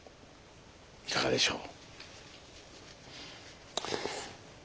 いかがでしょう？